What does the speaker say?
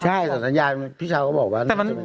ใช่เสาสัญญาพี่ชาวก็บอกว่า